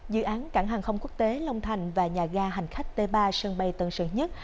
dự án cảng hàng không quốc tế long thành và nhà ga hành khách t ba sân bay tân sơn nhất